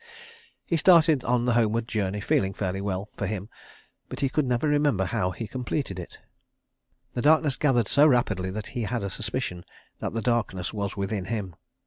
He started on the homeward journey, feeling fairly well, for him; but he could never remember how he completed it. ... The darkness gathered so rapidly that he had a suspicion that the darkness was within him.